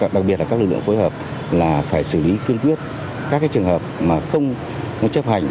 đặc biệt là các lực lượng phối hợp là phải xử lý cương quyết các trường hợp mà không chấp hành